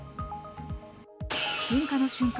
噴火の瞬間